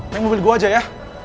main mobil gue aja ya